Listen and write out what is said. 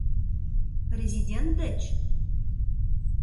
Резидент деч?